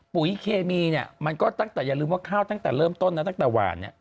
ปุ๋ยเคมีอย่าลืมว่าข้าวตั้งแต่เริ่มต้นตั้งแต่หวาน